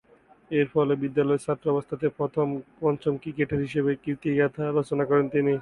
এরফলে বিদ্যালয়ের ছাত্র অবস্থাতেই পঞ্চম ক্রিকেটার হিসেবে এ কীর্তিগাঁথা রচনা করেন তিনি।